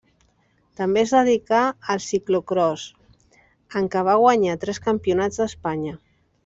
També es dedicà al ciclocròs, en què va guanyar tres Campionats d'Espanya.